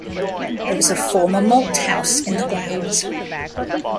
There is a former malt house in the grounds.